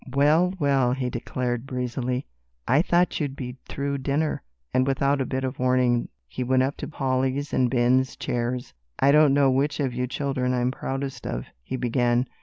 "Well, well," he declared breezily, "I thought you'd be through dinner," and without a bit of warning he went up to Polly's and Ben's chairs. "I don't know which of you children I'm proudest of," he began.